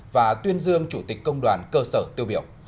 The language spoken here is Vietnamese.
và tuyên dương chủ tịch công đoàn cơ sở tiêu biểu